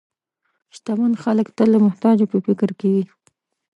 شتمن خلک تل د محتاجو په فکر کې وي.